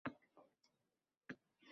Oila boqqanda yaxshi bilarding.